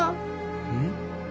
うん？